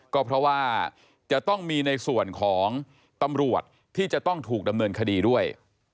ก็เพราะว่าจะต้องมีในส่วนของตำรวจที่จะต้องถูกดำเนินคดีด้วย